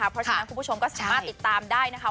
เพราะฉะนั้นคุณผู้ชมก็สามารถติดตามได้นะคะ